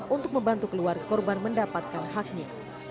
untuk membantu keluarga korban mendapatkan haknya